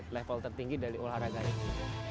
level tertinggi dari olahraganya